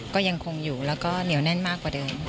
ก็ยังคงอยู่แล้วก็เหนียวแน่นมากกว่าเดิม